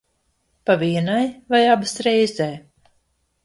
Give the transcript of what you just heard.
Pa vienai vai abas reizē?